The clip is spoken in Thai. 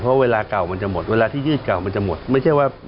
เพราะเวลาเก่ามันจะหมดเวลาที่ยืดเก่ามันจะหมดไม่ใช่ว่า